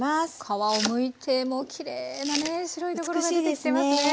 皮をむいてもきれいなね白いところが出てきてますね。